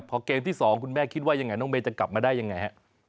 เพราะเกมที่สองคุณแม่คิดคุณจะกลับมาอย่างไร